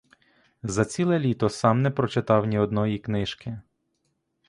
За ціле літо сам не прочитав ні одної книжки.